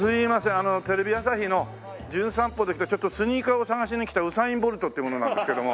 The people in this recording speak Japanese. あのテレビ朝日の『じゅん散歩』で来たちょっとスニーカーを探しに来たウサイン・ボルトっていう者なんですけども。